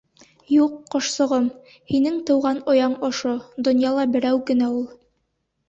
— Юҡ, ҡошсоғом, һинең тыуған ояң ошо, донъяла берәү генә ул.